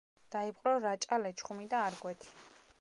დაიპყრო რაჭა-ლეჩხუმი და არგვეთი.